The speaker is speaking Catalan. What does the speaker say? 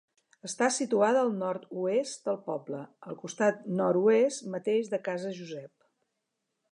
Està situada al nord-oest del poble, al costat nord-oest mateix de Casa Josep.